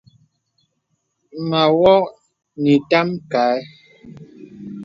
Mə awɔ̄ nə ìtam kaɛ̂.